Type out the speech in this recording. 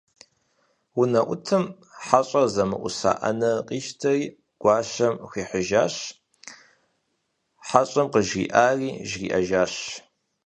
УнэӀутым хьэщӀэр зэмыӀуса Ӏэнэр къищтэри гуащэм хуихьыжащ, хьэщӀэм къыжриӀари жриӀэжащ.